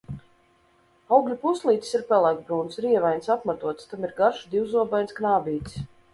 Augļa pūslītis ir pelēkbrūns, rievains, apmatots, tam ir garš, divzobains knābītis.